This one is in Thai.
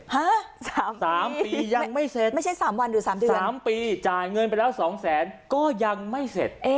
ฮะ๓ปียังไม่เสร็จไม่ใช่๓วันหรือ๓เดือน๓ปีจ่ายเงินไปแล้วสองแสนก็ยังไม่เสร็จ